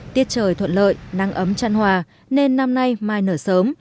tiết trời thuận lợi nắng ấm chăn hòa nên năm nay mai nở sớm